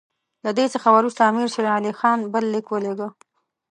له دې څخه وروسته امیر شېر علي خان بل لیک ولېږه.